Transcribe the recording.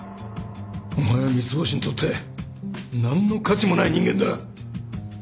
お前は三ツ星にとって何の価値もない人間だ